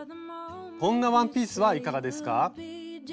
こんなワンピースはいかがですか？